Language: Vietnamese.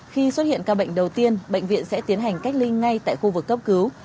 khi xuất hiện ca bệnh đầu tiên bệnh viện sẽ tiến hành cách ly ngay tại khu vực cấp cứu